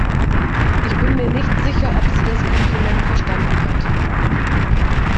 Ich bin mir nicht sicher, ob sie das Kompliment verstanden hat.